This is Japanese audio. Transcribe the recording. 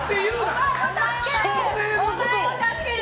お前を助ける！